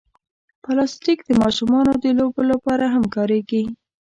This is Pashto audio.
پلاستيک د ماشومانو د لوبو لپاره هم کارېږي.